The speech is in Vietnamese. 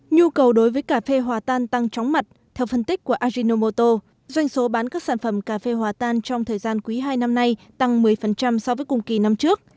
nhu cầu đối với cà phê hòa tan tăng tróng mặt theo phân tích của ajinomoto doanh số bán các sản phẩm cà phê hòa tan trong thời gian quý hai năm nay tăng một mươi so với cùng kỳ năm trước